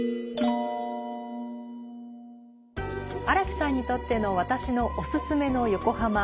荒木さんにとっての「私のおすすめの横浜」